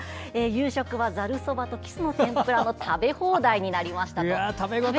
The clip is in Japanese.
夕食はざるそばとキスの天ぷらの食べ放題になりましたと。